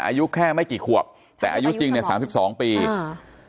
อายุแค่ไม่กี่ขวบแต่อายุจริงเนี้ยสามสิบสองปีอ่า